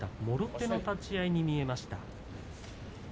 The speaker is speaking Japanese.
もろ手の立ち合いに見えました。